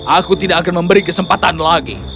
aku tidak akan memberi kesempatan lagi